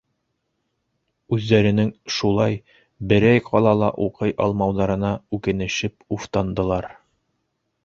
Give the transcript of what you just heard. Үҙҙәренең шулай берәй ҡалала уҡый алмауҙарына үкенешеп уфтандылар.